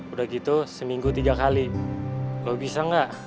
udah gitu seminggu tiga kali lo bisa gak